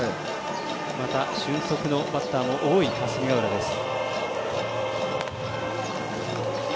俊足のバッターも多い霞ヶ浦です。